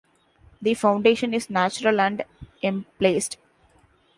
The foundation is natural and emplaced.